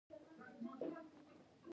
د شمال په لور روان شو، دوه ځله په باران کې.